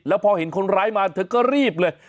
แล้วพอเห็นคนร้ายมาเธอก็รีบเลย